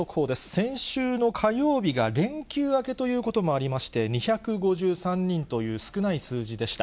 先週の火曜日が連休明けということもありまして、２５３人という少ない数字でした。